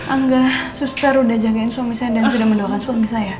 angga suster udah jagain suami saya dan sudah mendoakan suami saya